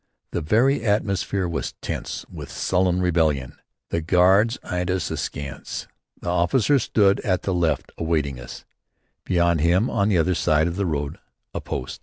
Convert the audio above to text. The very atmosphere was tense with sullen rebellion. The guards eyed us askance. The officer stood at the left awaiting us; beyond him and on the other side of the road, a post.